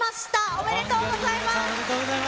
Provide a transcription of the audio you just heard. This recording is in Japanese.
おめでとうございます。